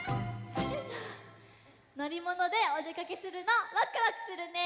のりものでおでかけするのワクワクするね！